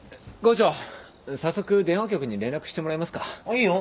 いいよ。